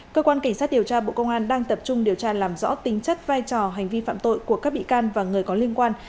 cơ quan cảnh sát điều tra bộ công an đang tập trung điều tra làm rõ tính chất vai trò hành vi phạm tội của các bị can và người có liên quan